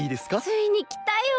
ついにきたよ！